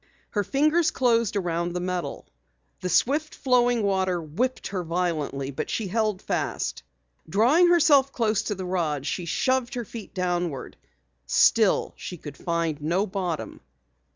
Her fingers closed around the metal. The swift flowing water whipped her violently, but she held fast. Drawing herself close to the rod, she shoved her feet downward. Still she could find no bottom.